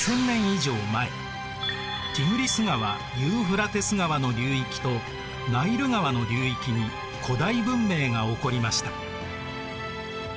以上前ティグリス川ユーフラテス川の流域とナイル川の流域に古代文明が起こりました。